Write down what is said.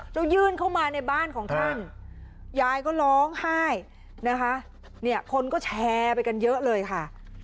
แล้วยื่นเข้ามาในบ้านของท่านยายก็ร้องไห้นะคะเนี่ยคนก็แชร์ไปกันเยอะเลยค่ะ